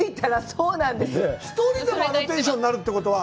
そうなんです。